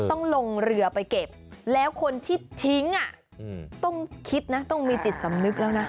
ต้องลงเรือไปเก็บแล้วคนที่ทิ้งต้องคิดนะต้องมีจิตสำนึกแล้วนะ